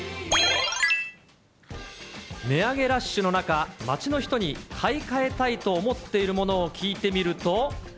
値上げラッシュの中、街の人に買い替えたいと思っているものを聞いてみると。